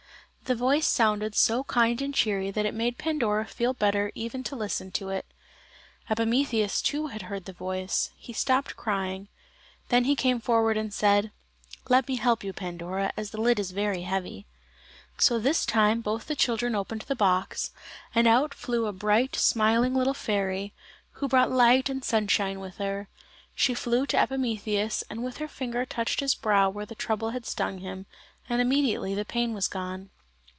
The voice sounded so kind and cheery that it made Pandora feel better even to listen to it. Epimetheus too had heard the voice. He stopped crying. Then he came forward, and said: "Let me help you, Pandora, as the lid is very heavy." So this time both the children opened the box, and out flew a bright, smiling little fairy, who brought light and sunshine with her. She flew to Epimetheus and with her finger touched his brow where the trouble had stung him, and immediately the pain was gone.